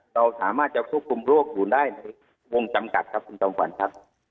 เราสามารถจะควบคุมโรคอยู่ได้ในวงจำกัดครับคุณจอมขวัญครับ